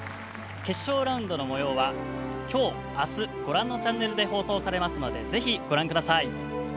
決勝ラウンドの模様はきょうあすご覧のチャンネルで放送されますのでぜひご覧ください。